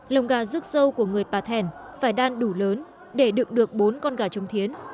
lồng gà rước dâu của người pà thèn phải đan đủ lớn để đựng được bốn con gà trông thiến